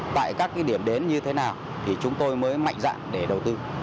tại các điểm đến như thế nào thì chúng tôi mới mạnh dạng để đầu tư